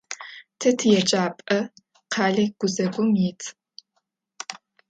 Тэ тиеджапӀэ къэлэ гузэгум ит.